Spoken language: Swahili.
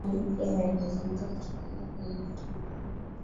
khalifa mpya alilazimika kuchaguliwa kwenye mkutano mkuu